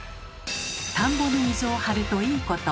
田んぼに水を張ると「いいこと」